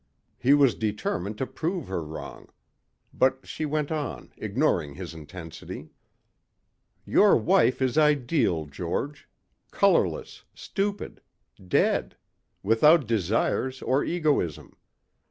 He was determined to prove her wrong. But she went on, ignoring his intensity. "Your wife is ideal, George. Colorless, stupid. Dead. Without desires or egoism.